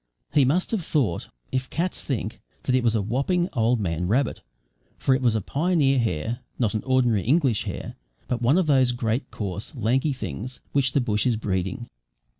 He must have thought (if cats think) that it was a whopping, old man rabbit, for it was a pioneer hare not an ordinary English hare, but one of those great coarse, lanky things which the bush is breeding.